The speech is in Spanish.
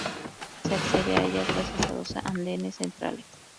Se accede a ellas gracias a dos andenes centrales.